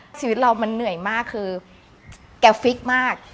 ชีวิตเรามันเหนื่อยมากคือแกฟิกมาก